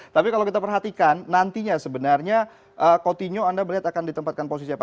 tapi kalau kita perhatikan nantinya sebenarnya coutinho anda melihat akan ditempatkan posisi apa